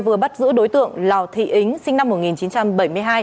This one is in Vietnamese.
vừa bắt giữ đối tượng lào thị ính sinh năm một nghìn chín trăm bảy mươi hai